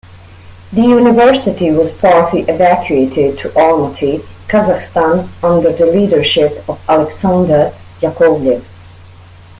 The university was partly evacuated to Almaty, Kazakhstan under the leadership of Alexander Yakovlev.